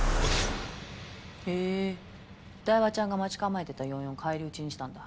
へえ台場ちゃんが待ち構えてた４４を返り討ちにしたんだ？